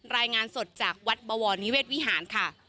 รายงานสดจากวัดบวรนิเวศวิหารค่ะ